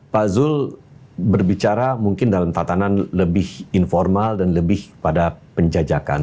pak zul berbicara mungkin dalam tatanan lebih informal dan lebih pada penjajakan